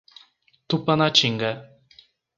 Tupanatinga